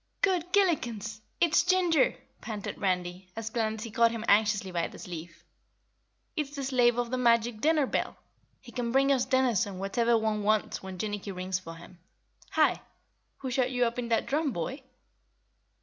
"Good Gillikens! It's Ginger!" panted Randy, as Planetty caught him anxiously by the sleeve. "It's the slave of the magic dinner bell. He can bring us dinners and whatever one wants when Jinnicky rings for him. Hi who shut you up in that drum, boy?"